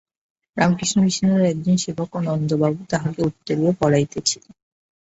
রামকৃষ্ণ মিশনের একজন সেবক ও নন্দবাবু তাহাকে উত্তরীয় পরাইতেছিল।